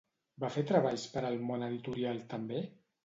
Va fer treballs per al món editorial, també?